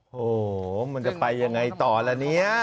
โอ้โหมันจะไปยังไงต่อละเนี่ย